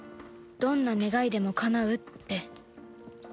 どんな願いでもかなうって